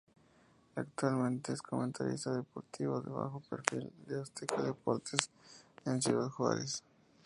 Actualmente es comentarista deportivo de bajo perfil de Azteca Deportes en Ciudad Juárez.